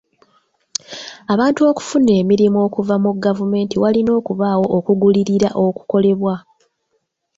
Abantu okufuna emirimu okuva mu gavumenti walina okubaawo okugulirira okukolebwa.